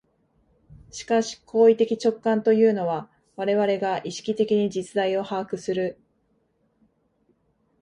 しかし行為的直観というのは、我々が意識的に実在を把握する、